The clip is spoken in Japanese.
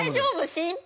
心配！